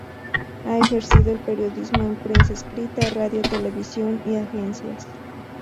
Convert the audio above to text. Ha ejercido el periodismo en prensa escrita, radio, televisión y agencias.